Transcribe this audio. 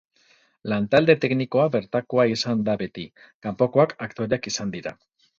Lantalde teknikoa bertakoa izan da beti, kanpokoak aktoreak izan dira.